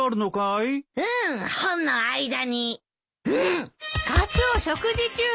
カツオ食事中よ！